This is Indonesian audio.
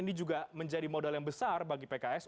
ini juga menjadi modal yang besar bagi pks